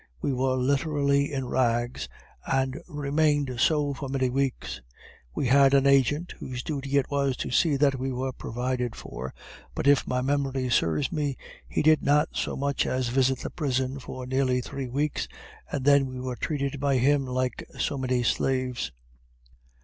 We were literally in rags, and remained so for many weeks; we had an agent whose duty it was to see that we were provided for, but if my memory serves me, he did not so much as visit the prison for nearly three weeks, and then we were treated by him like so many slaves.